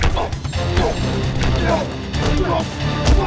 pergi ke kita